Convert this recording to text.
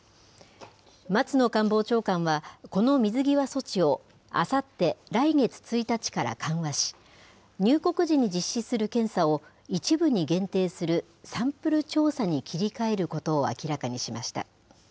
松野官房長官は、この水際措置をあさって来月１日から緩和し、入国時に実施する検査を、一部に限定するサンプル調査に切り替えることを明らかにしました。